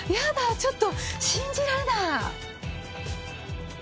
ちょっと信じられない。